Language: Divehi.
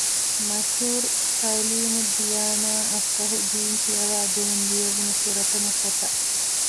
މަޝްހޫރު ތަޢުލީމުއްދިޔާނާ އަށްފަހު ދީން ކިޔަވައިދޭން ލިޔެވުނު ފުރަތަމަ ފޮތަށް